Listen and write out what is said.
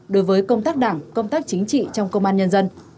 đối với công tác đảng công tác chính trị trong công an nhân dân